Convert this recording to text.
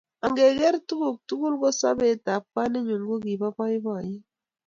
Angeker tuguuk tugul, kosobeetab kwaninyu kokibo boiboiyet.